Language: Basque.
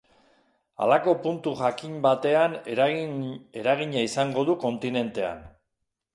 Halako puntu jakin batean eragina izango du kontinentean.